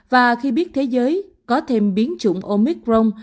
và khi biết thế giới có thêm biến chủng omicron